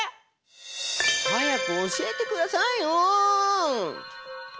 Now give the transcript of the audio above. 早く教えてくださいよ！